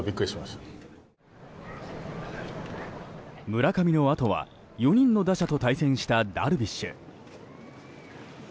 村上のあとは４人の打者と対戦したダルビッシュ。